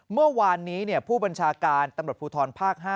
เมื่อวานนี้ผู้บัญชาการตำรวจภูทรภาค๕